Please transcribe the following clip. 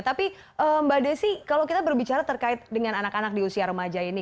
tapi mbak desi kalau kita berbicara terkait dengan anak anak di usia remaja ini